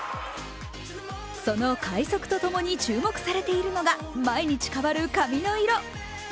その快足と共に注目されているのが毎日変わる髪の色。